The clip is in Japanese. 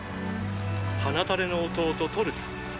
鼻たれの弟トルタ。